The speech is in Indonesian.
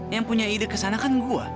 yang punya ide kesana kan gue